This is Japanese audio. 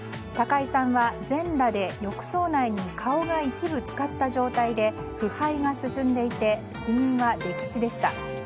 高井さんは全裸で浴槽内に顔が一部浸かった状態で腐敗が進んでいて死因は溺死でした。